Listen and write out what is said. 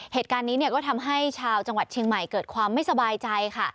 เหตุการณ์นี้ก็ทำให้ชาวจังหวัดเชียงใหม่เกิดความไม่สบายใจค่ะ